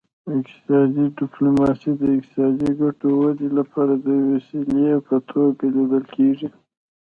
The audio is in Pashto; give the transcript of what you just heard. اقتصادي ډیپلوماسي د اقتصادي ګټو ودې لپاره د وسیلې په توګه لیدل کیږي